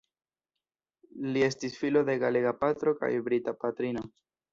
Li estis filo de galega patro kaj brita patrino.